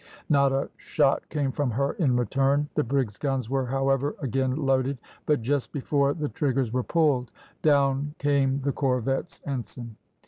Not a shot came from her in return. The brig's guns were, however, again loaded; but just before the triggers were pulled, down came the corvette's ensign!